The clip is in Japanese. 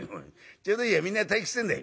ちょうどいいやみんな退屈してんだい。